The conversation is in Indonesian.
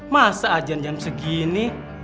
masa ajan jam segini